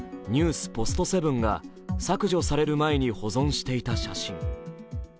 ポストセブンが、削除される前に保存していた写真。